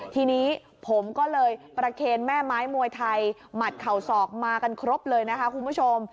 ทีนี้ผมก็เลยประเคนแม่ไม้มวยไทยหมัดเข่าศอกมากันครบเลยนะคะคุณผู้ชม